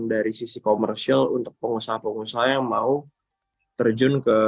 dari sisi komersial untuk pengusaha pengusaha yang mau terjun ke